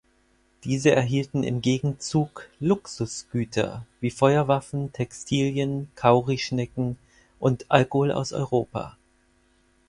Diese erhielten im Gegenzug „Luxusgüter“ wie Feuerwaffen, Textilien, Kaurischnecken und Alkohol aus Europa.